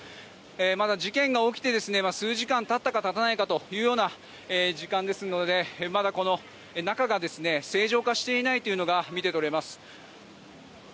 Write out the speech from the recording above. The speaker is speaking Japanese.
まだ事件が起きてですね数時間経ったか経たないかというような時間ですので、まだこの中が正常化していないというのが見て取れます。